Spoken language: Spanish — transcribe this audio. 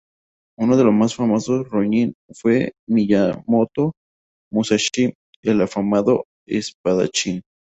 Uno de los más famosos "rōnin" fue Miyamoto Musashi, el afamado espadachín.